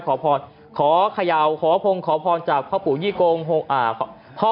ขอพลขาวขยร